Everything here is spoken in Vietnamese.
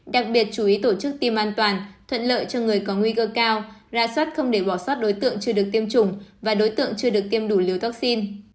đặc biệt chú ý tổ chức tiêm an toàn thuận lợi cho người có nguy cơ cao ra soát không để bỏ sót đối tượng chưa được tiêm chủng và đối tượng chưa được tiêm đủ liều vaccine